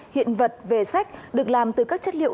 hiện vật về sách được làm từ các chất liệu